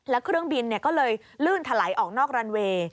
แล้วเครื่องบินก็เลยลื่นถลายออกนอกรันเวย์